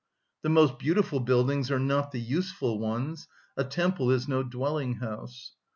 The most beautiful buildings are not the useful ones; a temple is no dwelling‐ house.